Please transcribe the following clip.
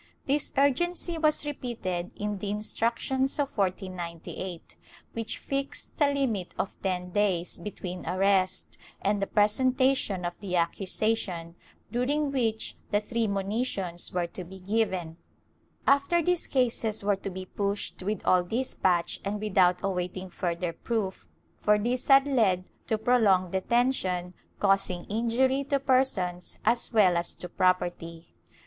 This urgency was repeated in the Instructions of 1498, which fixed a limit of ten days between arrest and the presenta tion of the accusation, during which the three monitions were to be given; after this cases were to be pushed with all despatch and without awaiting further proof, for this had led to prolonged detention, causing injury to persons as well as to property.